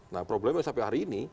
nah problemnya sampai hari ini